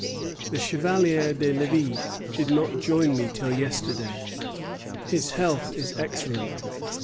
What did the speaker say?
The Chevalier de Lévis did not join me till yesterday. His health is excellent.